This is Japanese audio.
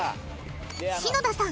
篠田さん